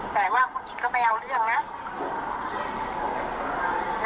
แต่ว่าคุณกิจก็ไม่เอาเรื่องนะ